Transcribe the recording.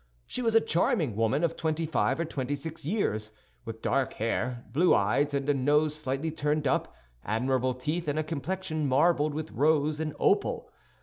She was a charming woman of twenty five or twenty six years, with dark hair, blue eyes, and a nose slightly turned up, admirable teeth, and a complexion marbled with rose and opal.